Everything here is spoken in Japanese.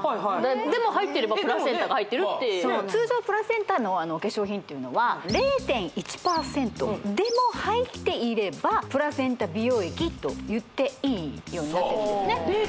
でも入ってればプラセンタが入ってるって通常プラセンタのお化粧品っていうのは０．１％でも入っていればプラセンタ美容液と言っていいようになってるんですね